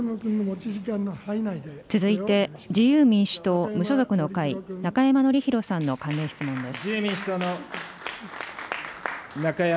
続いて、自由民主党・無所属の会、中山展宏さんの関連質問です。